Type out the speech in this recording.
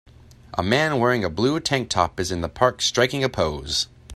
A man wearing a blue tanktop is in the park striking a pose.